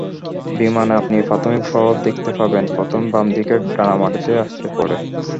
বিমানে আপনি প্রাথমিক প্রভাব দেখতে পাবেন, প্রথমে বাম দিকের ডানা মাটিতে আছড়ে পড়ে।